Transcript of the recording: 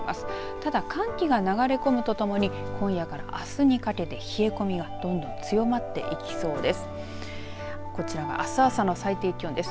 ただ、寒気が流れ込むとともに今夜から、あすにかけて冷え込みがどんどん強まっていきそうです。